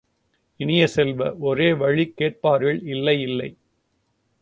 இனிய செல்வ, ஒரோவழி கேட்பர்கள் இல்லை, இல்லை!